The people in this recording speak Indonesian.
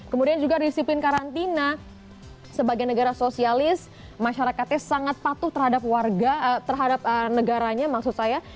kemudian juga disiplin karantina sebagai negara sosialis masyarakatnya sangat patuh terhadap warga terhadap negaranya maksud saya